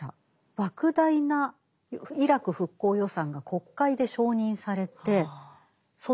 莫大なイラク復興予算が国会で承認されてそっちに流れた。